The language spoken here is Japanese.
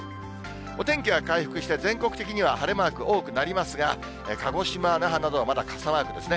お天気は回復して、全国的には晴れマーク多くなりますが、鹿児島、那覇などはまだ傘マークですね。